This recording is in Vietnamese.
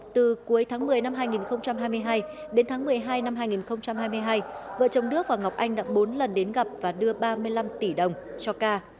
từ cuối tháng một mươi năm hai nghìn hai mươi hai đến tháng một mươi hai năm hai nghìn hai mươi hai vợ chồng đức và ngọc anh đã bốn lần đến gặp và đưa ba mươi năm tỷ đồng cho ca